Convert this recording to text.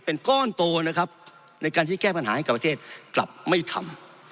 เป็นก้อนโตนะครับในการที่แก้ปัญหาให้กับประเทศกลับไม่ทำ